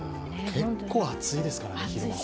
結構暑いですからね、昼間は。